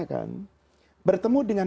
kan bertemu dengan